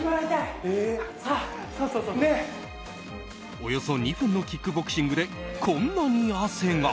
およそ２分のキックボクシングでこんなに汗が。